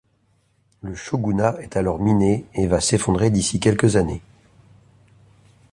Le shogunat est alors miné et va s'effondrer d'ici quelques années.